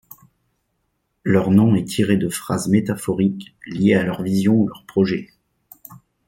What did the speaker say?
Leur nom est tiré de phrases métaphoriques liées à leur vision ou leur projet.